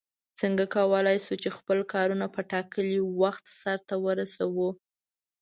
څنگه کولای شو چې خپل کارونه په ټاکلي وخت سرته ورسوو؟